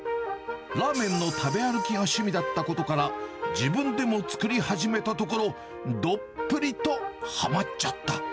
ラーメンの食べ歩きが趣味だったことから、自分でも作り始めたところ、どっぷりとはまっちゃった。